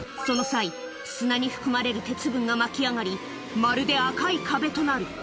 その際、砂に含まれる鉄分が巻き上がり、まるで赤い壁となる。